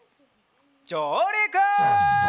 じょうりく！